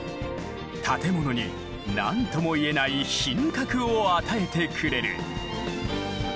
建物に何ともいえない品格を与えてくれる。